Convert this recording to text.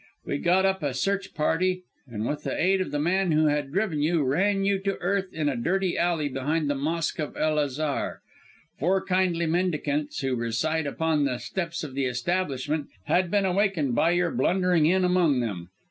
We got up a search party, and with the aid of the man who had driven you, ran you to earth in a dirty alley behind the mosque of El Azhar. Four kindly mendicants, who reside upon the steps of the establishment, had been awakened by your blundering in among them.